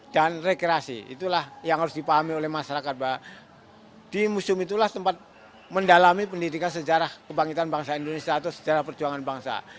dan rekreasi itulah yang harus dipahami oleh masyarakat bahwa di museum itulah tempat mendalami pendidikan sejarah kebangkitan bangsa indonesia atau sejarah perjuangan bangsa